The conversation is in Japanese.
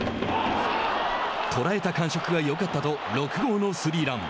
捉えた感触がよかったと６号のスリーラン。